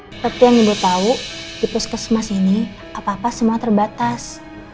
seperti yang ibu tahu di puskesmas ini apa apa semua terbatas